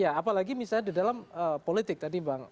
ya apalagi misalnya di dalam politik tadi bang icahan sudah mengatakan